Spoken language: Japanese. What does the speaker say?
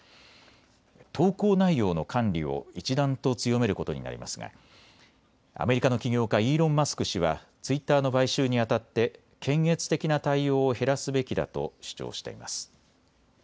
投稿内容の管理を一段と強めることになりますがアメリカの起業家、イーロン・マスク氏はツイッターの買収にあたって検閲的な対応を減らすべきだと主張しています。